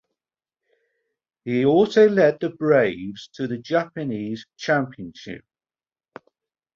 He also led the Braves to the Japanese championship.